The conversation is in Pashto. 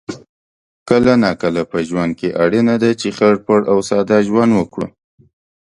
کله ناکله په ژوند کې اړینه ده چې خړ پړ او ساده ژوند وکړو